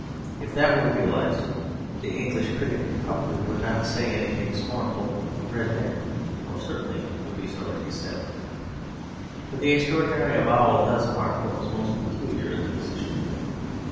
If that were realised, the English critic probably would not say anything scornful of red men; or certainly would be sorry he said it. But the extraordinary avowal does mark what was most peculiar in the position.